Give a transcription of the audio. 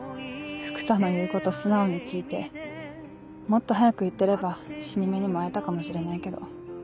福多の言うこと素直に聞いてもっと早く行ってれば死に目にも会えたかもしれないけど。